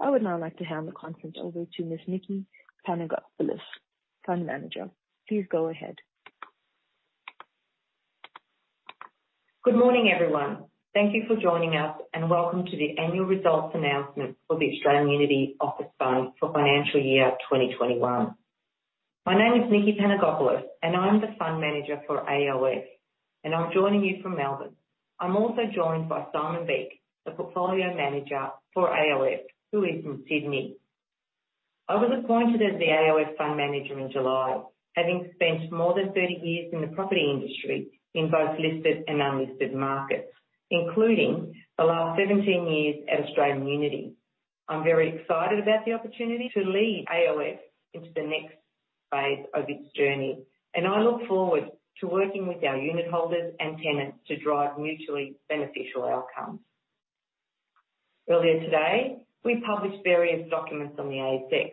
I would now like to hand the conference over to Ms. Nikki Panagopoulos, Fund Manager. Please go ahead. Good morning, everyone. Thank you for joining us. Welcome to the annual results announcement for the Australian Unity Office Fund for financial year 2021. My name is Nikki Panagopoulos. I am the Fund Manager for AOF. I am joining you from Melbourne. I am also joined by Simon Beake, the Portfolio Manager for AOF, who is in Sydney. I was appointed as the AOF Fund Manager in July, having spent more than 30 years in the property industry in both listed and unlisted markets, including the last 17 years at Australian Unity. I am very excited about the opportunity to lead AOF into the next phase of its journey. I look forward to working with our unitholders and tenants to drive mutually beneficial outcomes. Earlier today, we published various documents on the ASX,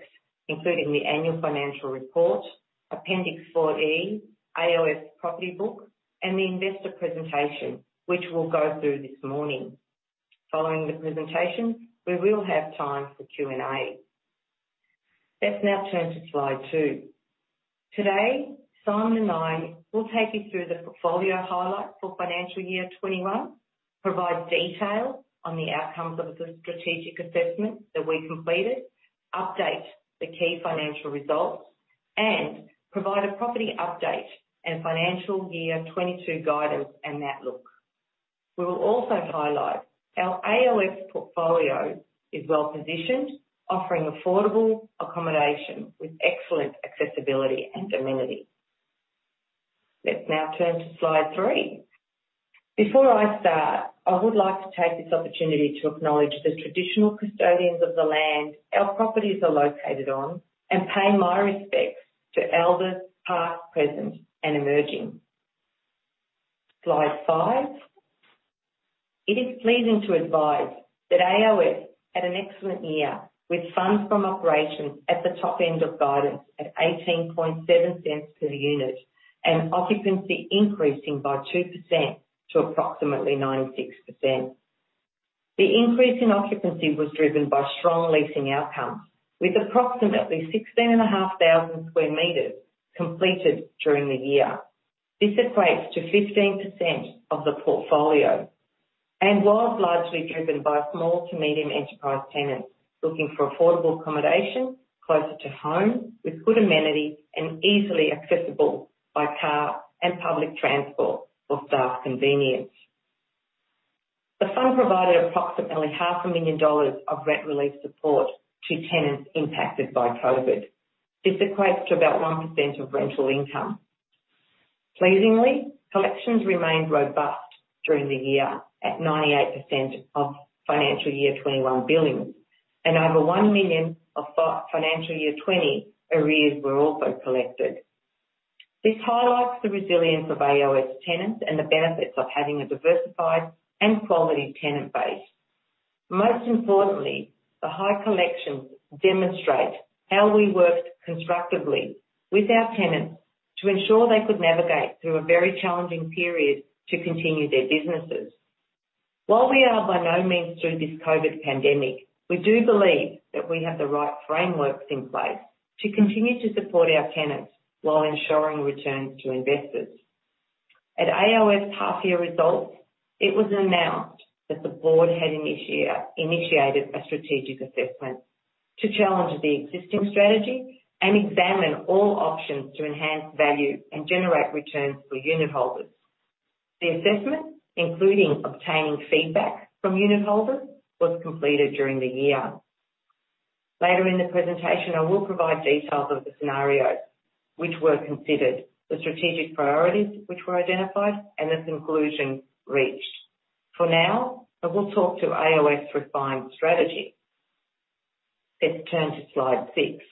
including the annual financial report, Appendix 4E, AOF's property book, and the investor presentation, which we'll go through this morning. Following the presentation, we will have time for Q&A. Let's now turn to slide two. Today, Simon and I will take you through the portfolio highlights for financial year 2021, provide detail on the outcomes of the strategic assessment that we completed, update the key financial results, and provide a property update and financial year 2022 guidance and outlook. We will also highlight our AOF portfolio is well-positioned, offering affordable accommodation with excellent accessibility and amenities. Let's now turn to slide three. Before I start, I would like to take this opportunity to acknowledge the traditional custodians of the land our properties are located on and pay my respects to elders, past, present, and emerging. Slide five. It is pleasing to advise that AOF had an excellent year, with funds from operations at the top end of guidance at 0.187 per unit and occupancy increasing by 2% to approximately 96%. The increase in occupancy was driven by strong leasing outcomes, with approximately 16,500 sq m completed during the year. This equates to 15% of the portfolio and was largely driven by small to medium enterprise tenants looking for affordable accommodation closer to home, with good amenities and easily accessible by car and public transport for staff convenience. The fund provided approximately 500,000 dollars of rent relief support to tenants impacted by COVID. This equates to about 1% of rental income. Pleasingly, collections remained robust during the year at 98% of FY 2021 billings, and over 1 million of FY 2020 arrears were also collected. This highlights the resilience of AOF's tenants and the benefits of having a diversified and quality tenant base. Most importantly, the high collections demonstrate how we worked constructively with our tenants to ensure they could navigate through a very challenging period to continue their businesses. We are by no means through this COVID pandemic, we do believe that we have the right frameworks in place to continue to support our tenants while ensuring returns to investors. At AOF's half-year results, it was announced that the board had initiated a strategic assessment to challenge the existing strategy and examine all options to enhance value and generate returns for unitholders. The assessment, including obtaining feedback from unitholders, was completed during the year. Later in the presentation, I will provide details of the scenarios which were considered, the strategic priorities which were identified, and the conclusion reached. For now, I will talk to AOF's refined strategy. Let's turn to slide six.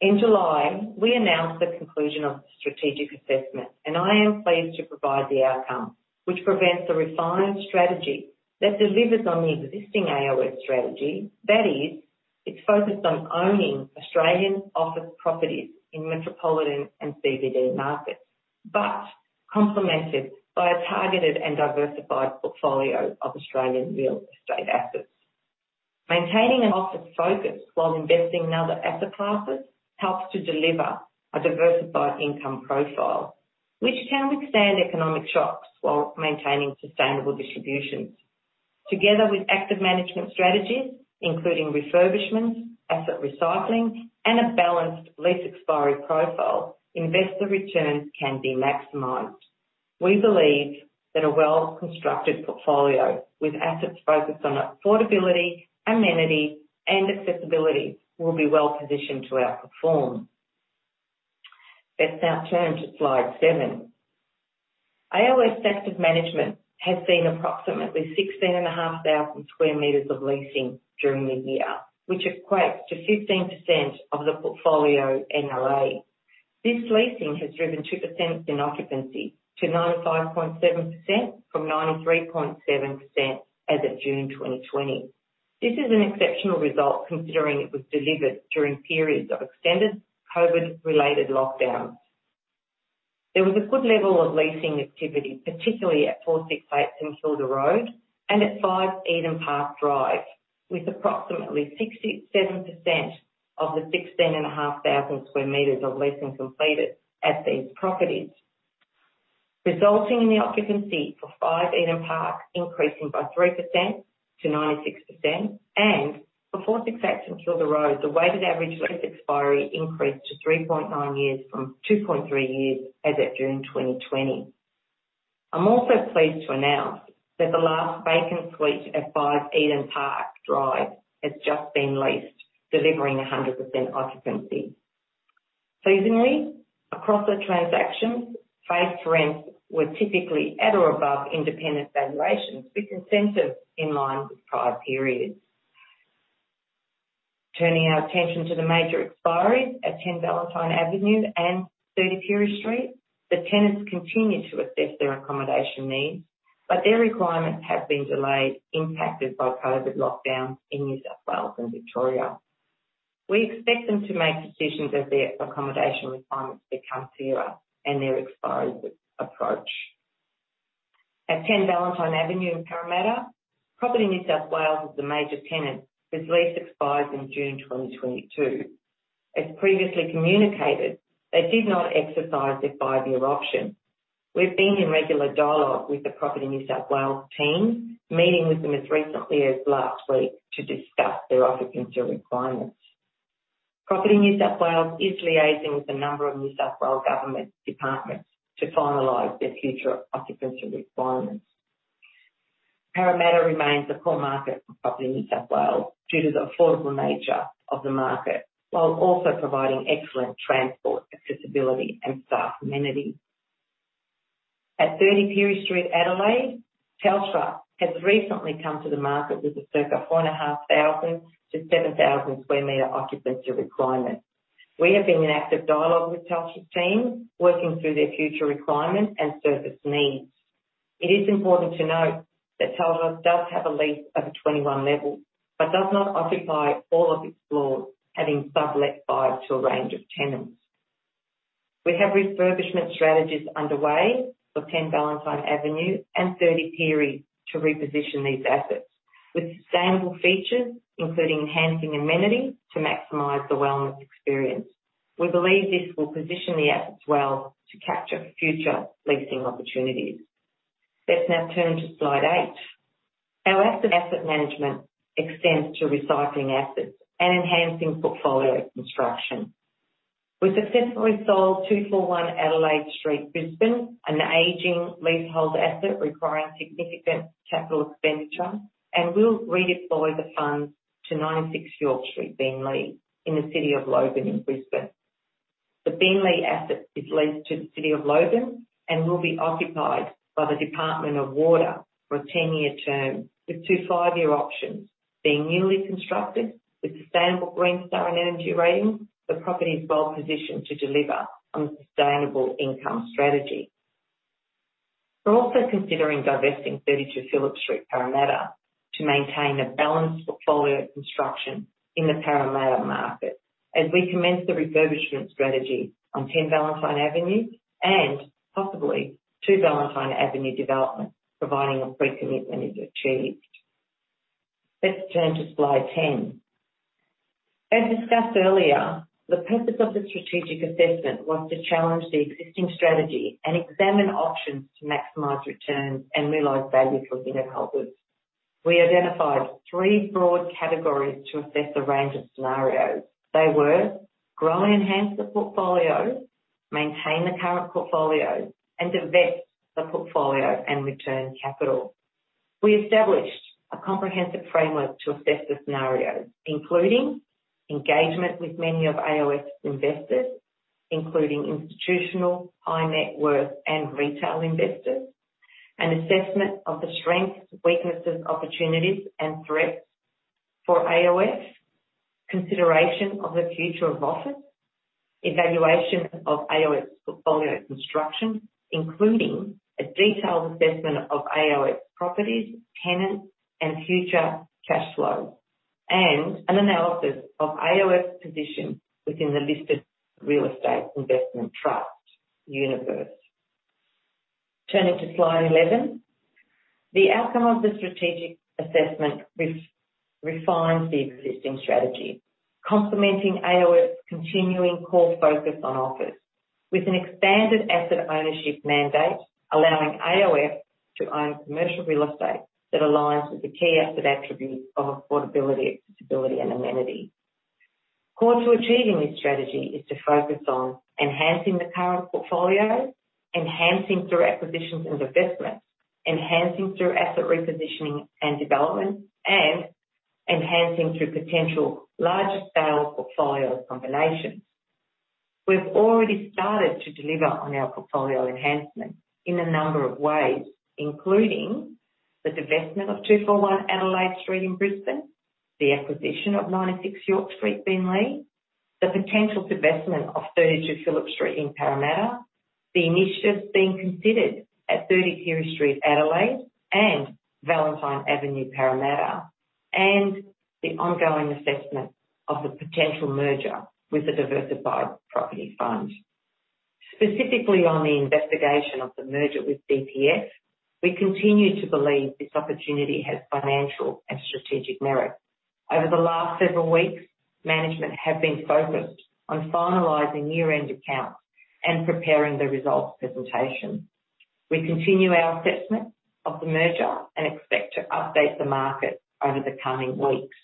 In July, we announced the conclusion of the strategic assessment, and I am pleased to provide the outcome, which presents a refined strategy that delivers on the existing AOF strategy. That is, it's focused on owning Australian office properties in metropolitan and CBD markets, but complemented by a targeted and diversified portfolio of Australian real estate assets. Maintaining an office focus while investing in other asset classes helps to deliver a diversified income profile, which can withstand economic shocks while maintaining sustainable distributions. Together with active management strategies, including refurbishments, asset recycling, and a balanced lease expiry profile, investor returns can be maximized. We believe that a well-constructed portfolio with assets focused on affordability, amenity, and accessibility will be well positioned to outperform. Let's now turn to slide seven. AOF's asset management has seen approximately 16,500 sq m of leasing during the year, which equates to 15% of the portfolio NLA. This leasing has driven 2% in occupancy to 95.7%, from 93.7% as of June 2020. This is an exceptional result considering it was delivered during periods of extended COVID-related lockdowns. There was a good level of leasing activity, particularly at 468 St Kilda Road and at 5 Eden Park Drive, with approximately 67% of the 16,500 sq m of leasing completed at these properties, resulting in the occupancy for five Eden Park increasing by 3% to 96%, and for 468 St Kilda Road, the weighted average lease expiry increased to 3.9 years from 2.3 years as at June 2020. I'm also pleased to announce that the last vacant suite at 5 Eden Park Drive has just been leased, delivering 100% occupancy. Seasonally, across the transactions, face rents were typically at or above independent valuations, with incentives in line with prior periods. Turning our attention to the major expiries at 10 Valentine Avenue and 30 Pirie Street. The tenants continue to assess their accommodation needs, but their requirements have been delayed, impacted by COVID lockdowns in New South Wales and Victoria. We expect them to make decisions as their accommodation requirements become clearer and their expiries approach. At 10 Valentine Avenue in Parramatta, Property NSW is the major tenant, whose lease expires in June 2022. As previously communicated, they did not exercise their five-year option. We've been in regular dialogue with the Property NSW team, meeting with them as recently as last week to discuss their occupancy requirements. Property NSW is liaising with a number of New South Wales government departments to finalize their future occupancy requirements. Parramatta remains a core market for Property NSW due to the affordable nature of the market, while also providing excellent transport, accessibility and staff amenities. At 30 Pirie Street, Adelaide, Telstra has recently come to the market with a circa 4,500-7,000 sq m occupancy requirement. We have been in active dialogue with Telstra's team, working through their future requirements and service needs. It is important to note that Telstra does have a lease of a 21-level, but does not occupy all of its floors, having sublet five to a range of tenants. We have refurbishment strategies underway for 10 Valentine Avenue and 30 Pirie to reposition these assets with sustainable features, including enhancing amenities to maximize the wellness experience. We believe this will position the assets well to capture future leasing opportunities. Let's now turn to slide eight. Our asset management extends to recycling assets and enhancing portfolio construction. We successfully sold 241 Adelaide Street, Brisbane, an aging leasehold asset requiring significant capital expenditure, and will redeploy the funds to 96 York Street, Beenleigh, in the City of Logan in Brisbane. The Beenleigh asset is leased to the City of Logan and will be occupied by the Department of Water for a 10-year term, with two five-year options. Being newly constructed with sustainable Green Star and energy ratings, the property is well positioned to deliver on the sustainable income strategy. We're also considering divesting 32 Phillip Street, Parramatta, to maintain a balanced portfolio construction in the Parramatta market as we commence the refurbishment strategy on 10 Valentine Avenue and possibly 2 Valentine Avenue developments, providing a pre-commitment is achieved. Let's turn to slide 10. As discussed earlier, the purpose of the strategic assessment was to challenge the existing strategy and examine options to maximize returns and realize value for unitholders. We identified three broad categories to assess a range of scenarios. They were grow and enhance the portfolio, maintain the current portfolio, and divest the portfolio and return capital. We established a comprehensive framework to assess the scenarios, including engagement with many of AOF's investors, including institutional, high net worth, and retail investors, an assessment of the strengths, weaknesses, opportunities and threats for AOF, consideration of the future of office, evaluation of AOF's portfolio construction, including a detailed assessment of AOF's properties, tenants, and future cash flows, and an analysis of AOF's position within the listed real estate investment trust universe. Turning to slide 11. The outcome of the strategic assessment refines the existing strategy, complementing AOF's continuing core focus on office with an expanded asset ownership mandate, allowing AOF to own commercial real estate that aligns with the key asset attributes of affordability, accessibility and amenity. Core to achieving this strategy is to focus on enhancing the current portfolio, enhancing through acquisitions and divestments, enhancing through asset repositioning and development, and enhancing through potential larger scale portfolio combinations. We've already started to deliver on our portfolio enhancement in a number of ways, including the divestment of 241 Adelaide Street in Brisbane, the acquisition of 96 York Street, Beenleigh, the potential divestment of 32 Phillip Street in Parramatta, the initiatives being considered at 30 Pirie Street, Adelaide, and Valentine Avenue, Parramatta, and the ongoing assessment of the potential merger with the Diversified Property Fund. Specifically on the investigation of the merger with DPF, we continue to believe this opportunity has financial and strategic merit. Over the last several weeks, management have been focused on finalizing year-end accounts and preparing the results presentation. We continue our assessment of the merger and expect to update the market over the coming weeks.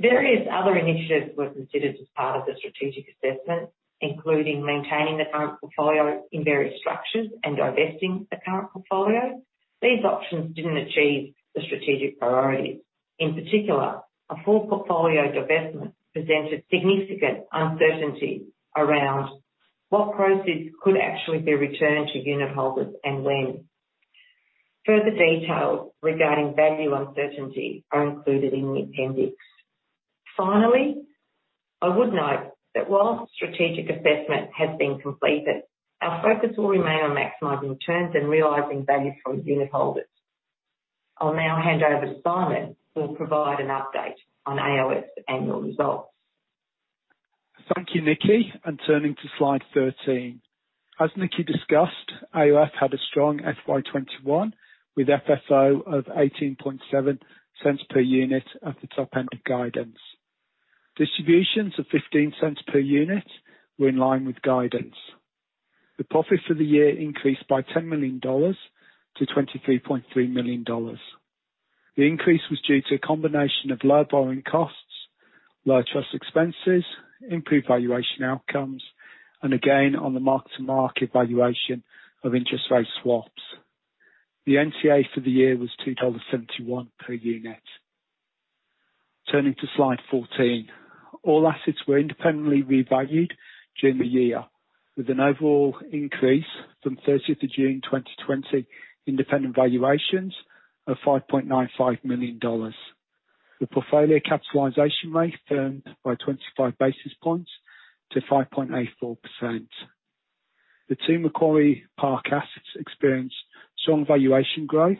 Various other initiatives were considered as part of the strategic assessment, including maintaining the current portfolio in various structures and divesting the current portfolio. These options didn't achieve the strategic priorities. In particular, a full portfolio divestment presented significant uncertainty around what proceeds could actually be returned to unitholders and when. Further details regarding value uncertainty are included in the appendix. Finally, I would note that while the strategic assessment has been completed, our focus will remain on maximizing returns and realizing value for unitholders. I'll now hand over to Simon, who will provide an update on AOF's annual results. Thank you, Nikki. Turning to slide 13. As Nikki discussed, AOF had a strong FY 2021, with FFO of 0.187 per unit at the top end of guidance. Distributions of 0.15 per unit were in line with guidance. The profit for the year increased by 10 million dollars to 23.3 million dollars. The increase was due to a combination of low borrowing costs, low trust expenses, improved valuation outcomes, and a gain on the mark-to-market valuation of interest rate swaps. The NTA for the year was 2.71 dollars per unit. Turning to slide 14. All assets were independently revalued during the year, with an overall increase from June 30th, 2020 independent valuations of 5.95 million dollars. The portfolio capitalization rate firmed by 25 basis points to 5.84%. The two Macquarie Park assets experienced strong valuation growth,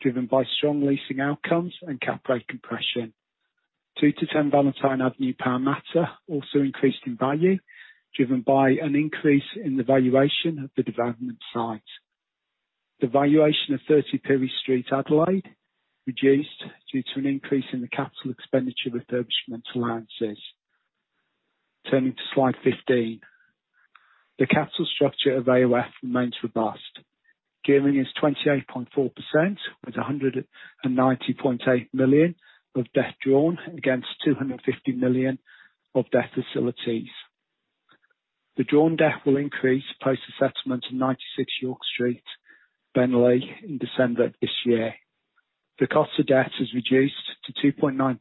driven by strong leasing outcomes and cap rate compression. 2-10 Valentine Avenue, Parramatta, also increased in value, driven by an increase in the valuation of the development site. The valuation of 30 Pirie Street, Adelaide, reduced due to an increase in the capital expenditure refurbishment allowances. Turning to slide 15. The capital structure of AOF remains robust, gearing is 28.4%, with 190.8 million of debt drawn against 250 million of debt facilities. The drawn debt will increase post-assessment in 96 York Street, Beenleigh, in December of this year. The cost of debt has reduced to 2.9%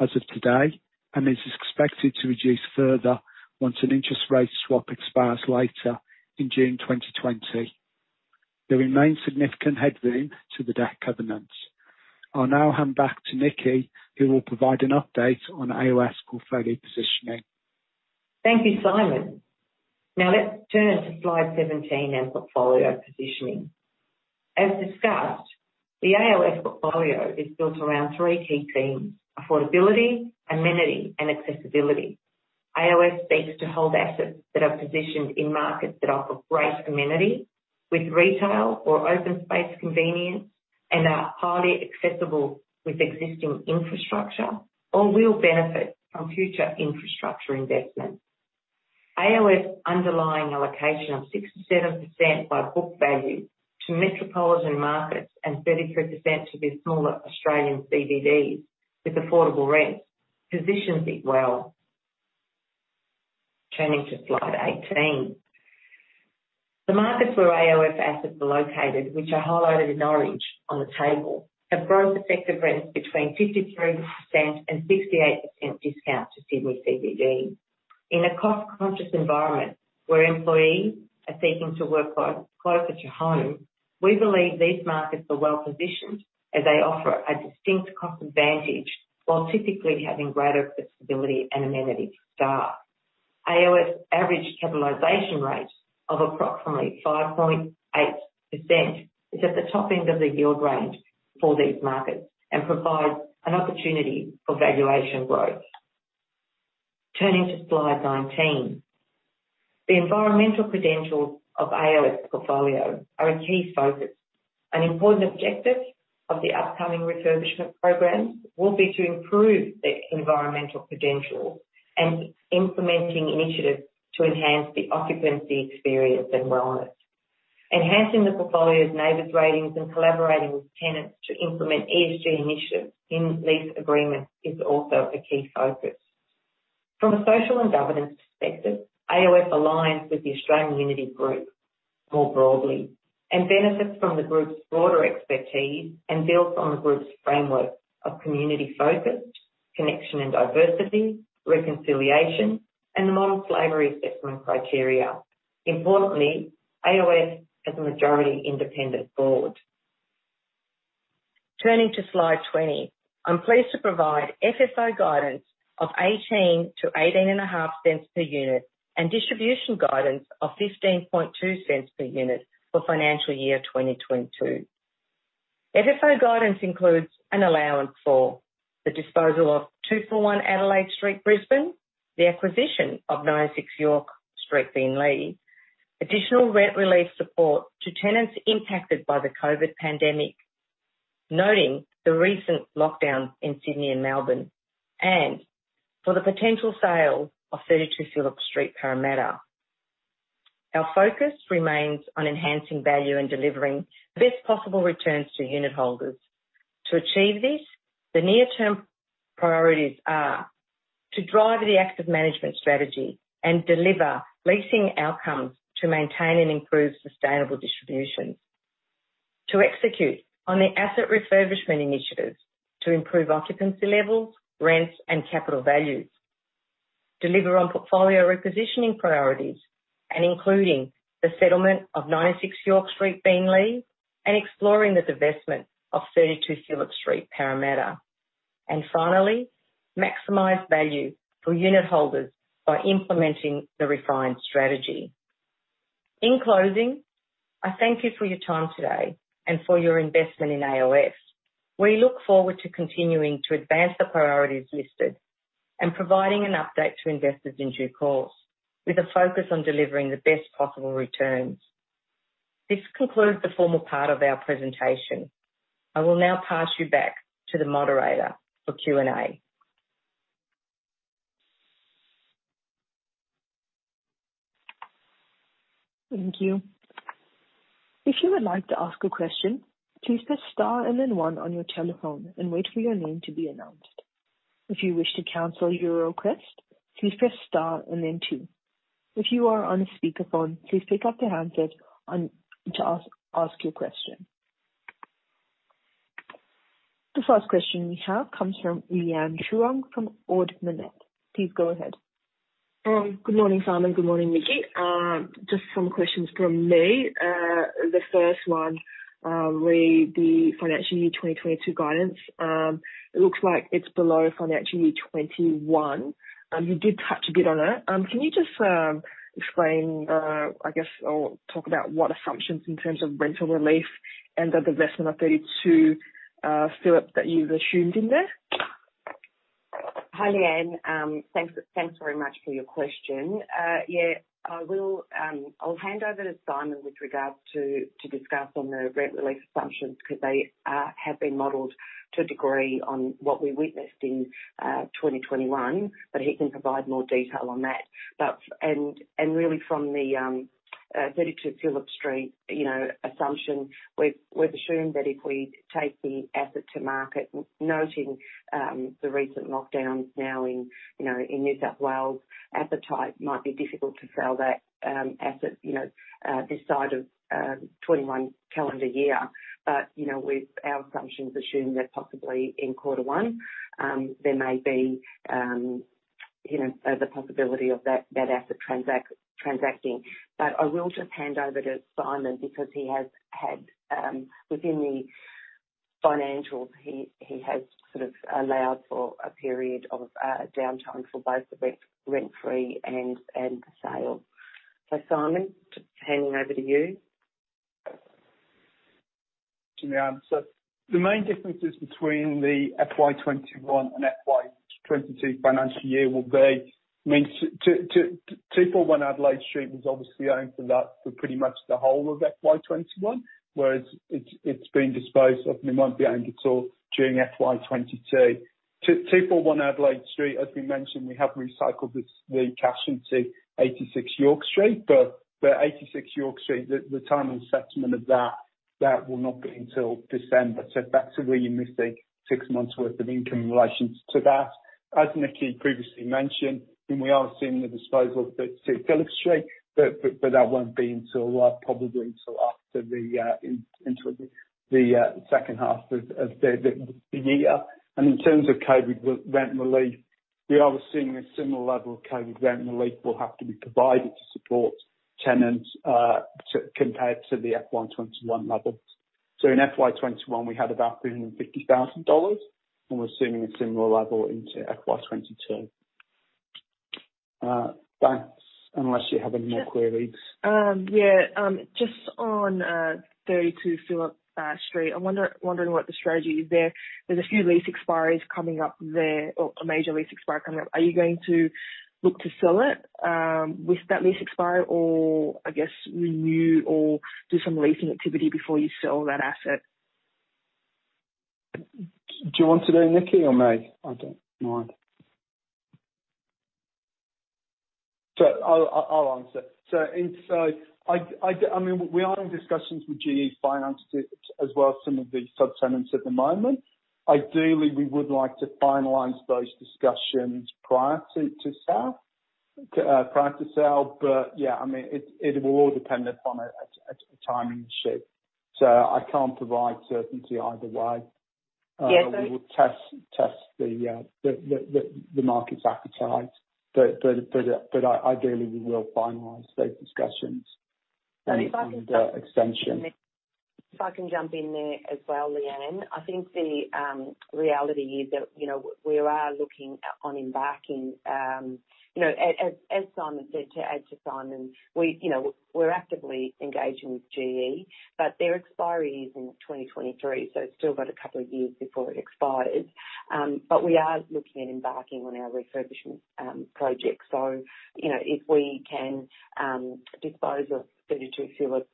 as of today, and is expected to reduce further once an interest rate swap expires later in June 2020. There remains significant headroom to the debt covenants. I'll now hand back to Nikki, who will provide an update on AOF's portfolio positioning. Thank you, Simon. Let's turn to slide 17 and portfolio positioning. As discussed, the AOF portfolio is built around three key themes: affordability, amenity, and accessibility. AOF seeks to hold assets that are positioned in markets that offer great amenity, with retail or open space convenience, and are highly accessible with existing infrastructure, or will benefit from future infrastructure investments. AOF's underlying allocation of 67% by book value to metropolitan markets and 33% to the smaller Australian CBDs with affordable rent positions it well. Turning to slide 18. The markets where AOF assets are located, which are highlighted in orange on the table, have growth effective rents between 53%-68% discount to Sydney CBD. In a cost-conscious environment where employees are seeking to work closer to home, we believe these markets are well-positioned as they offer a distinct cost advantage, while typically having greater flexibility and amenity for staff. AOF's average capitalization rate of approximately 5.8% is at the top end of the yield range for these markets and provides an opportunity for valuation growth. Turning to slide 19. The environmental credentials of AOF's portfolio are a key focus. An important objective of the upcoming refurbishment program will be to improve their environmental credentials and implementing initiatives to enhance the occupancy experience and wellness. Enhancing the portfolio's NABERS ratings and collaborating with tenants to implement ESG initiatives in lease agreements is also a key focus. From a social and governance perspective, AOF aligns with the Australian Unity Group more broadly and benefits from the group's broader expertise and builds on the group's framework of community focus, connection and diversity, reconciliation, and the modern slavery assessment criteria. Importantly, AOF has a majority independent board. Turning to slide 20. I'm pleased to provide FFO guidance of 0.18-0.185 per unit and distribution guidance of 0.152 per unit for financial year 2022. FFO guidance includes an allowance for the disposal of 241 Adelaide Street, Brisbane, the acquisition of 96 York Street, Beenleigh, additional rent relief support to tenants impacted by the COVID pandemic, noting the recent lockdown in Sydney and Melbourne, and for the potential sale of 32 Phillip Street, Parramatta. Our focus remains on enhancing value and delivering the best possible returns to unitholders. To achieve this, the near-term priorities are to drive the active management strategy and deliver leasing outcomes to maintain and improve sustainable distributions. To execute on the asset refurbishment initiatives to improve occupancy levels, rents, and capital values. Including the settlement of 96 York Street, Beenleigh, and exploring the divestment of 32 Phillip Street, Parramatta. Finally, maximize value for unitholders by implementing the refined strategy. In closing, I thank you for your time today and for your investment in AOF. We look forward to continuing to advance the priorities listed and providing an update to investors in due course, with a focus on delivering the best possible returns. This concludes the formal part of our presentation. I will now pass you back to the moderator for Q&A. Thank you. If you would like to ask a question, please press star and then one on your telephone, and wait for your name to be announced. If you wish to cancel your request, please press star and then two. If you are on a speakerphone, please pick up your handset on, to ask, ask your question. The first question we have comes from Leanne Truong from Ord Minnett. Please go ahead. Good morning, Simon. Good morning, Nikki. Just some questions from me. The first one, re the financial year 2022 guidance. It looks like it's below financial year 2021. You did touch a bit on it. Can you just explain, I guess, or talk about what assumptions in terms of rental relief and the divestment of 32 Phillip that you've assumed in there? Hi, Leanne. Thanks very much for your question. I'll hand over to Simon with regards to discuss on the rent relief assumptions because they have been modeled to a degree on what we witnessed in 2021. He can provide more detail on that. Really from the 32 Phillip Street assumption, we've assumed that if we take the asset to market, noting the recent lockdowns now in New South Wales, appetite might be difficult to sell that asset this side of 2021 calendar year. Our assumptions assume that possibly in quarter one, there may be the possibility of that asset transacting. I will just hand over to Simon because he has had, within the financials, he has sort of allowed for a period of downtime for both the rent-free and for sale. Simon, just handing over to you. Thank you, Leanne. The main differences between the FY 2021 and FY 2022 financial year will be, I mean, 241 Adelaide Street was obviously owned for that for pretty much the whole of FY 2021, whereas it's being disposed of and it won't be owned at all during FY 2022. 241 Adelaide Street, as we mentioned, we have recycled the cash into 96 York Street, the timing settlement of that will not be until December. That's where you're missing six months worth of income in relation to that. As Nikki previously mentioned, we are seeing the disposal of 32 Phillip Street, that won't be until, well, probably until into the second half of the year. In terms of COVID rent relief, we are seeing a similar level of COVID rent relief will have to be provided to support tenants, compared to the FY 2021 levels. In FY 2021, we had about 350,000 dollars and we're assuming a similar level into FY 2022. Thanks. Unless you have any more queries. Yeah. Just on 32 Phillip Street. I'm wondering what the strategy is there. There's a few lease expiries coming up there or a major lease expiry coming up. Are you going to look to sell it with that lease expiry or I guess renew or do some leasing activity before you sell that asset? Do you want to do it, Nikki, or me? I don't mind. I'll answer. We are in discussions with GE Capital as well as some of the subtenants at the moment. Ideally, we would like to finalize those discussions prior to sell. It will all dependent on a timing issue, so I can't provide certainty either way. Yeah. We would test the market's appetite. Ideally, we will finalize those discussions. And if I can jump- Extension I can jump in there as well, Leanne. I think the reality is that, we are looking on embarking. As Simon said, to add to Simon, we're actively engaging with GE, their expiry is in 2023, so it's still got a couple of years before it expires. We are looking at embarking on our refurbishment project. If we can dispose of 32 Phillip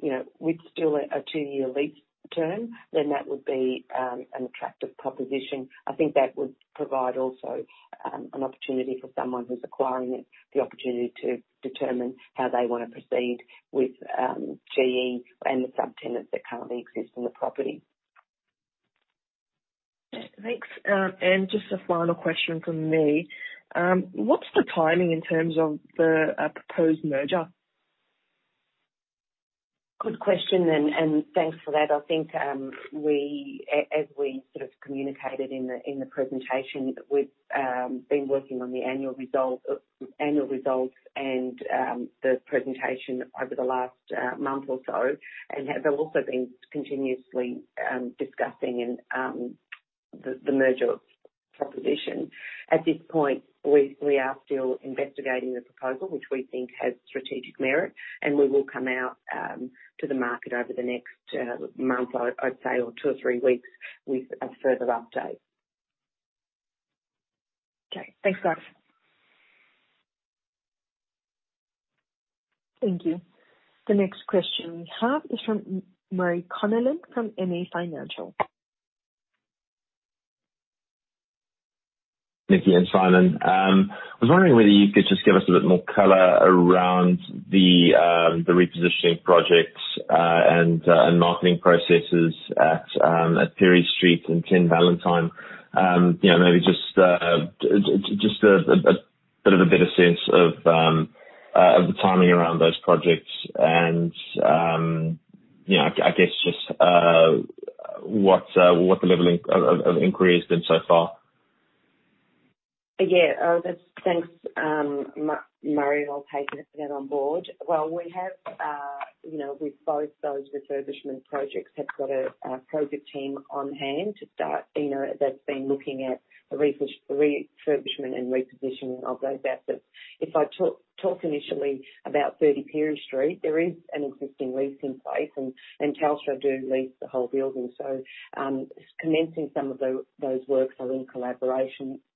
Street with still a two-year lease term, then that would be an attractive proposition. I think that would provide also an opportunity for someone who's acquiring it, the opportunity to determine how they want to proceed with GE and the subtenants that currently exist in the property. Thanks. Just a final question from me. What's the timing in terms of the proposed merger? Good question, and thanks for that. I think as we sort of communicated in the presentation, we've been working on the annual results and the presentation over the last month or so, and have also been continuously discussing the merger proposition. At this point, we are still investigating the proposal, which we think has strategic merit, and we will come out to the market over the next month, I'd say, or two or three weeks with a further update. Okay. Thanks, guys. Thank you. The next question we have is from Murray Connellan from MA Financial. Nikki and Simon, I was wondering whether you could just give us a bit more color around the repositioning projects and marketing processes at Pirie Street and 10 Valentine. Maybe just a bit of a better sense of the timing around those projects and, I guess just what the level of inquiry has been so far. Yeah. Thanks, Murray, and I'll take that on board. Well, both those refurbishment projects have got a project team on hand to start, that's been looking at the refurbishment and repositioning of those assets. If I talk initially about 30 Pirie Street, there is an existing lease in place. Telstra do lease the whole building. Commencing some of those works are in collaboration with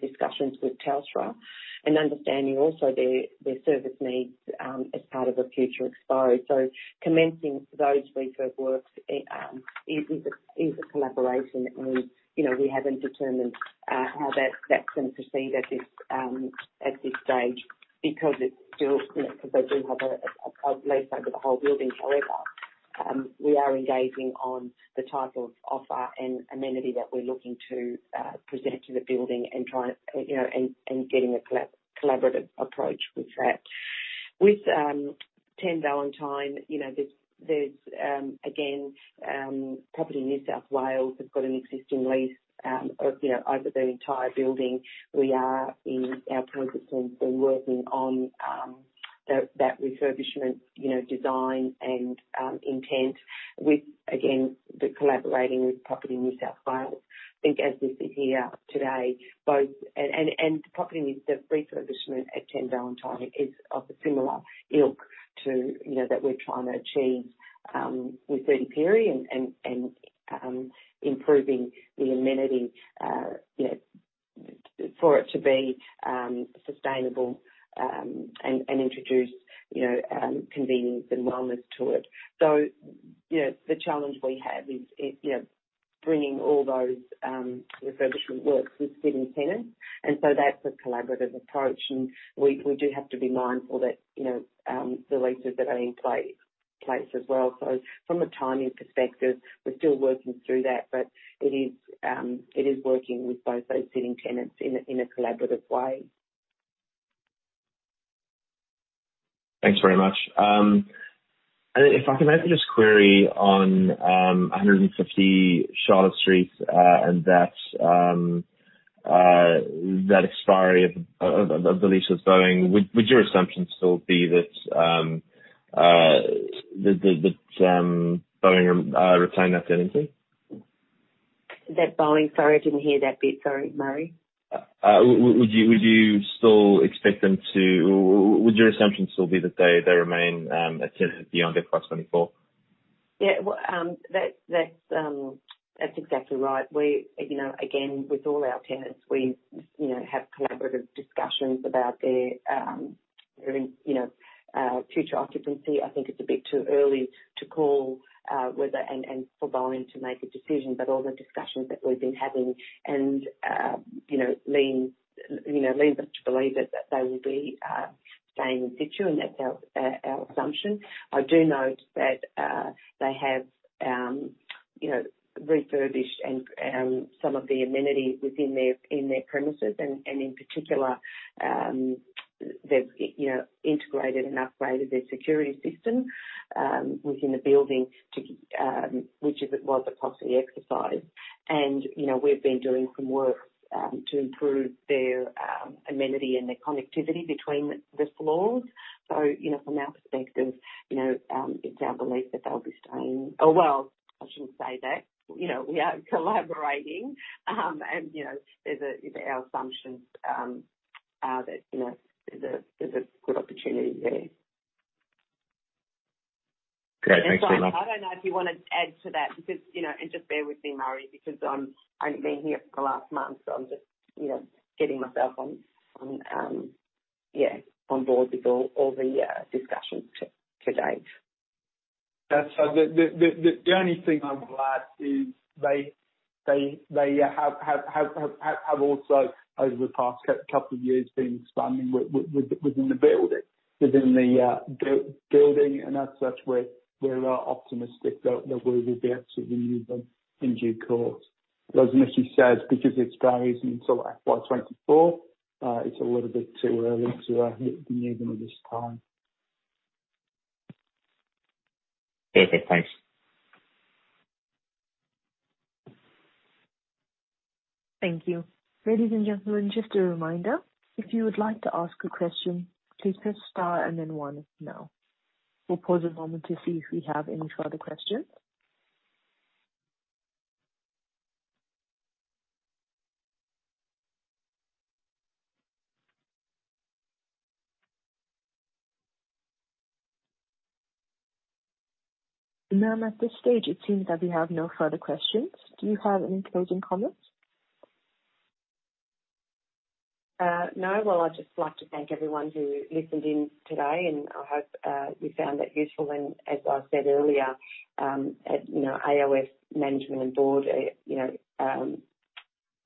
discussions with Telstra and understanding also their service needs as part of a future expose. Commencing those refurb works is a collaboration. We haven't determined how that's going to proceed at this stage because they do have a lease over the whole building. However, we are engaging on the type of offer and amenity that we're looking to present to the building and getting a collaborative approach with that. With 10 Valentine, there's again, Property New South Wales have got an existing lease over the entire building. We are in our process and been working on that refurbishment design and intent with, again, collaborating with Property New South Wales. I think as we sit here today, both the refurbishment at 10 Valentine is of a similar ilk that we're trying to achieve with 30 Pirie Street and improving the amenity for it to be sustainable and introduce convenience and wellness to it. The challenge we have is bringing all those refurbishment works with sitting tenants, that's a collaborative approach, we do have to be mindful that the leases that are in place as well. From a timing perspective, we're still working through that, it is working with both those sitting tenants in a collaborative way. Thanks very much. If I can open this query on 150 Charlotte Street and that expiry of the lease with Boeing, would your assumption still be that Boeing retain that tenancy? That Boeing, sorry, didn't hear that bit. Sorry, Murray. Would your assumption still be that they remain a tenant beyond their plus 2024? Yeah. That's exactly right. Again, with all our tenants, we have collaborative discussions about their future occupancy. I think it's a bit too early to call and for Boeing to make a decision. All the discussions that we've been having and leads us to believe that they will be staying situ, and that's our assumption. I do note that they have refurbished some of the amenities within their premises, and in particular, they've integrated and upgraded their security system within the building to which it was a costly exercise. We've been doing some work to improve their amenity and their connectivity between the floors. From our perspective, it's our belief that they'll be staying. Oh, well, I shouldn't say that. We are collaborating, and our assumption is that there's a good opportunity there. Great. Thanks very much. I don't know if you want to add to that because, and just bear with me, Murray, because I've only been here for the last month, so I'm just getting myself on board with all the discussions to date. The only thing I would add is they have also, over the past couple of years, been expanding within the building, and as such, we're optimistic that we will be able to renew them in due course. As Nikki says, because it's valid until FY 2024, it's a little bit too early to hit renew them at this time. Perfect. Thanks. Thank you. Ladies and gentlemen, just a reminder, if you would like to ask a question, please press star and then one now. We'll pause a moment to see if we have any further questions. Ma'am, at this stage, it seems that we have no further questions. Do you have any closing comments? No. Well, I'd just like to thank everyone who listened in today, and I hope you found it useful. As I said earlier, at AOF management and board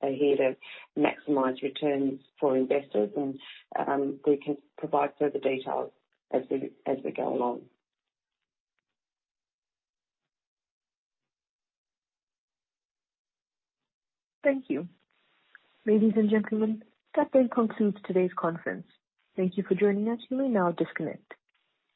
are here to maximize returns for investors, and we can provide further details as we go along. Thank you. Ladies and gentlemen, that then concludes today's conference. Thank you for joining us. You may now disconnect.